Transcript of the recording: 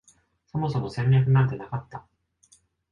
そもそも戦略なんてなかった